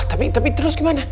wah tapi terus gimana